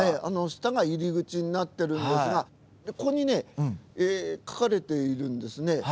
下が入り口になってるんですがここにね、書かれているんですね。